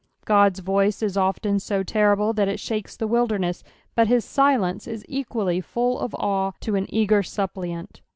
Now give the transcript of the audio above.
Qod's Toice la often so terrible that it shakes the wilderness ; bnt his silence la equally full of awe to an eager suppliant.